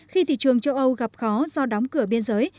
khi thị trường châu âu gặp khó do đóng cửa biên giới